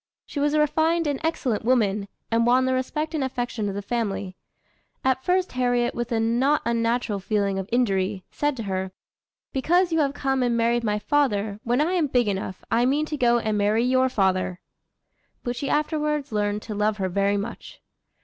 She was a refined and excellent woman, and won the respect and affection of the family. At first Harriet, with a not unnatural feeling of injury, said to her: "Because you have come and married my father, when I am big enough, I mean to go and marry your father;" but she afterwards learned to love her very much.